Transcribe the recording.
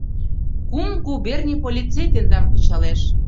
Кум губерний полицей тендам кычалеш.